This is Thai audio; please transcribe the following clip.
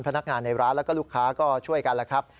พนักงานในร้านแล้วก็ลูกค้าก็ช่วยกันแล้วครับ